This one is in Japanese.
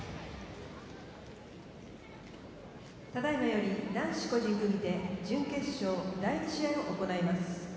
ただいまより男子個人組手準決勝、第２試合を行います。